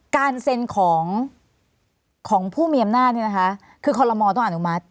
การเซนของผู้มีอำนาจคือคอลโรมอลต้องอนุมัติ